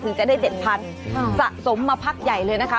จะได้๗๐๐สะสมมาพักใหญ่เลยนะคะ